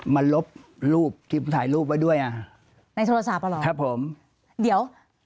มาลบรูปที่ผมถ่ายรูปไว้ด้วย